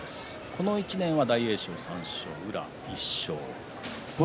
この１年は大栄翔、３勝、宇良、１勝。